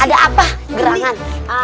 ada apa gerangan